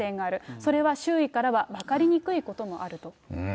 それは周囲からは分かりにくいこともあると。